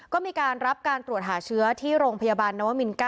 ก็มีการรับการตรวจหาเชื้อที่โรงพยาบาลนวมิน๙